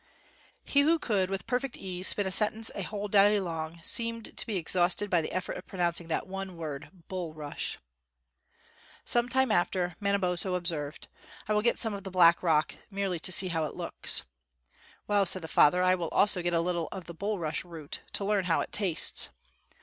He who could with perfect ease spin a sentence a whole day long, seemed to be exhausted by the effort of pronouncing that one word, "bulrush." Some time after, Manabozho observed: "I will get some of the black rock, merely to see how it looks." "Well," said the father, "I will also get a little of the bulrush root, to learn how it tastes."